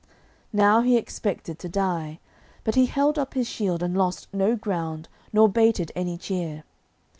Now he expected to die, but he held up his shield, and lost no ground, nor bated any cheer.